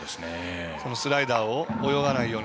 スライダーを泳がないように。